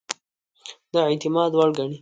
د اعتماد وړ ګڼي.